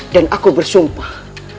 dan aku bersumpah